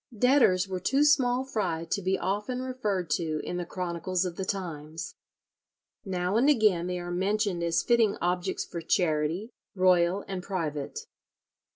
Debtors were too small fry to be often referred to in the chronicles of the times. Now and again they are mentioned as fitting objects for charity, royal and private.